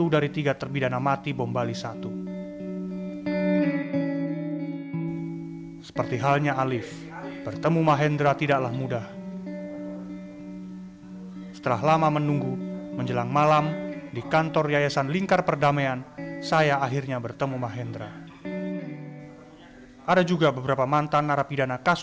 desa yang namanya pernah mendunia